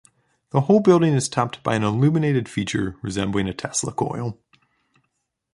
The whole building is topped by an illuminated feature resembling a Tesla coil.